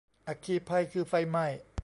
อัคคีภัย คือไฟไหม้